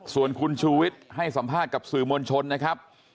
ส่วนคุณชูวิทย์ให้สัมภาษณ์กับสื่อมวลชนนะครับ